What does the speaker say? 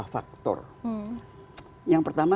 faktor yang pertama